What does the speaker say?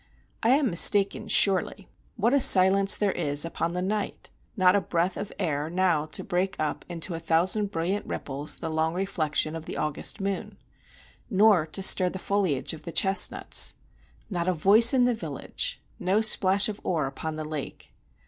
I am mistaken, surely. What a silence there is upon the night! Not a breath of air now to break up into a thousand brilliant ripples the long reflection of the August moon, or to stir the foliage of the chestnuts; not a voice in the village; no splash of oar upon the lake.